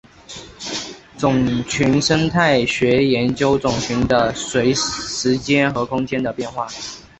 种群生态学研究种群的随时间和空间的变化。